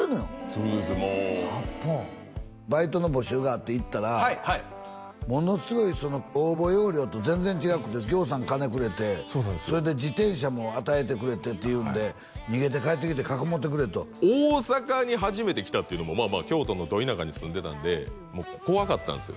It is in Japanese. そうですもう８本バイトの募集があって行ったらものすごい応募要領と全然違うくてぎょうさん金くれてそうなんですそれで自転車も与えてくれてっていうんで逃げて帰ってきてかくまってくれと大阪に初めて来たっていうのも京都のド田舎に住んでたんでもう怖かったんですよ